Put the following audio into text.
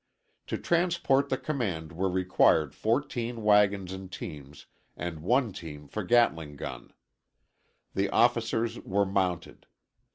To transport the command were required 14 wagons and teams, and 1 team for gatling gun. The officers were mounted.